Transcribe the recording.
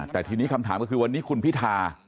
แต่ทีนี้คำถามก็คือวันนี้คุณพิธา